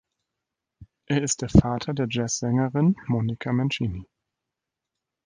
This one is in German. Er ist der Vater der Jazz-Sängerin Monica Mancini.